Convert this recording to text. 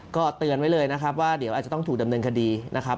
ก็เตือนไว้เลยนะครับว่าเดี๋ยวอาจจะต้องถูกดำเนินคดีนะครับ